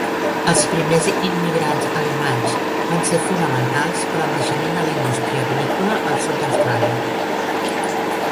Els primers immigrants alemanys van ser fonamentals per al naixement de la indústria vinícola al sud d"Austràlia.